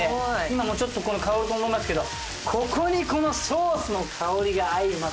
今もうちょっと香ると思いますけどここにこのソースの香りが相まって。